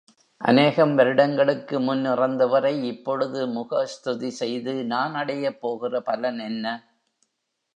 அனேகம் வருடங்களுக்கு முன் இறந்தவரை இப்பொழுது முகஸ்துதி செய்து நான் அடையப்போகிற பலன் என்ன?